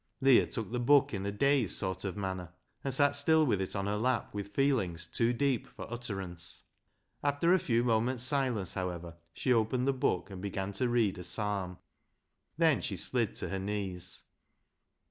Leah took the book in a dazed sort of manner, and sat still with it on her lap with feelings too deep for utterance. After a few moments' silence, however, she opened the book and began to read a psalm. Then she slid to her knees.